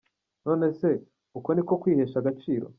None se uko niko kwihesha agaciro?